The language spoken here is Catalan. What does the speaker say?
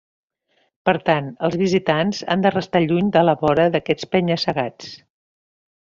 Per tant els visitants han de restar lluny de la vora d’aquests penya-segats.